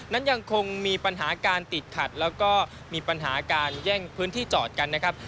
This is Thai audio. นั้นยังคงมีปัญหาการติดขัดและแย่งพื้นที่จอดกันนะครับ